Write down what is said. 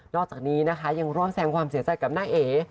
อกจากนี้นะคะยังรอดแสงความเสียใจกับน้าเอ๋